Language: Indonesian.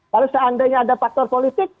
kalau seandainya ada faktor politik